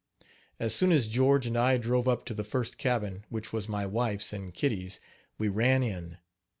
As soon as George and I drove up to the first cabin, which was my wife's and Kitty's, we ran in.